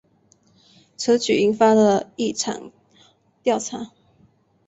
此举引发了一场调查。